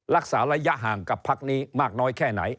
รักษาระยะห่างกับพักนี้มากน้อยแค่ไหน